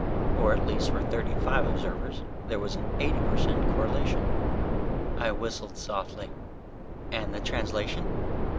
Or at least for thirty five observers there was an eighty per cent correlation." I whistled softly. "And the translation?"